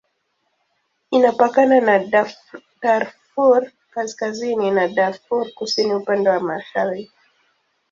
Inapakana na Darfur Kaskazini na Darfur Kusini upande wa mashariki.